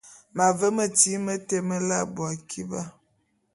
M’ave metyiŋ mete meláe abui akiba.